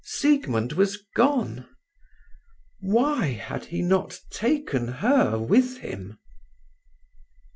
Siegmund was gone; why had he not taken her with him?